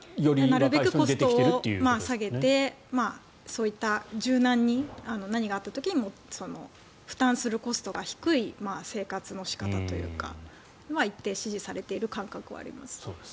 なるべくコストを下げてそういった柔軟に何かがあった時にも負担するコストが低い生活の仕方というか一定支持されている感覚はあります。